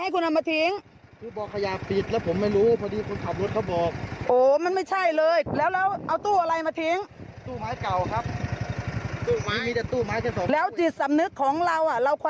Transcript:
คุณผู้ชมดูคลิปนี้พร้อมกันนะฮะ